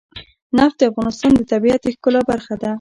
نفت د افغانستان د طبیعت د ښکلا برخه ده.